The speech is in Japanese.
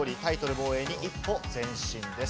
防衛に一歩前進です。